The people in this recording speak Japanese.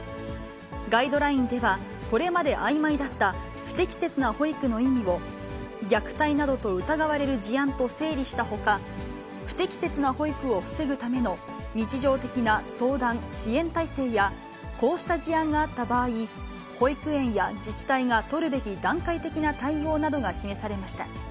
ガイドラインでは、これまであいまいだった不適切な保育の意味を、虐待などと疑われる事案と整理したほか、不適切な保育を防ぐための日常的な相談・支援体制やこうした事案があった場合、保育園や自治体が取るべき段階的な対応などが示されました。